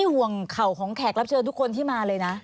ห่วงเขาของแขกรับเชอดูคนที่มาเลยน่ะ